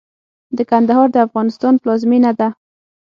د کندهار د افغانستان پلازمېنه ده.